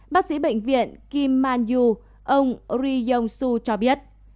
bác sĩ bệnh viện kim man yu ông ri yong su cho biết